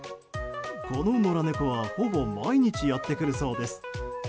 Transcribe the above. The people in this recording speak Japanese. この野良猫はほぼ毎日やってくるそうです。